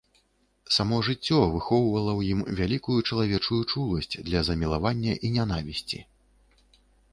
Само жыццё выхоўвала ў ім вялікую чалавечую чуласць для замілавання і нянавісці.